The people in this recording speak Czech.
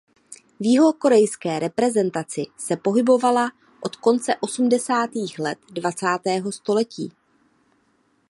V jihokorejské reprezentaci se pohybovala od konce osmdesátých let dvacátého století.